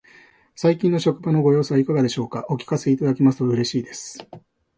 最近の職場のご様子はいかがでしょうか。お聞かせいただけますと嬉しいです。